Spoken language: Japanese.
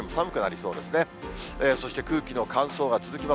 そして空気の乾燥が続きます。